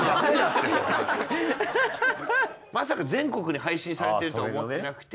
まさか全国に配信されてると思ってなくて。